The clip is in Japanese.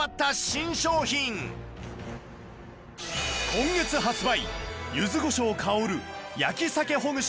今月発売